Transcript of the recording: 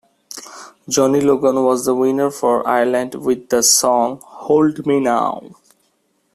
Johnny Logan was the winner for Ireland with the song "Hold Me Now".